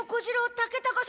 竹高様。